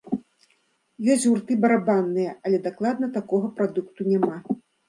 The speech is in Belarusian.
Ёсць гурты барабанныя, але дакладна такога прадукту няма.